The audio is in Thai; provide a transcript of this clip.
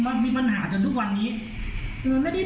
ทำไมไม่ให้เขาบอกว่าลูกคุณเสียแล้วอะไรอย่างนี้